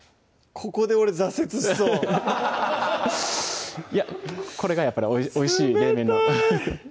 ここで俺挫折しそうこれがやっぱりおいしい冷麺の冷たい！